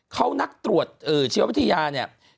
คุณหนุ่มกัญชัยได้เล่าใหญ่ใจความไปสักส่วนใหญ่แล้ว